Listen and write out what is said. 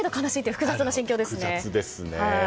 複雑ですね。